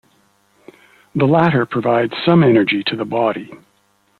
The latter provide some energy to the body.